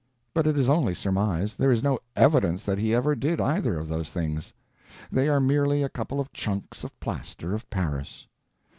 But it is only surmise; there is no evidence that he ever did either of those things. They are merely a couple of chunks of plaster of Paris.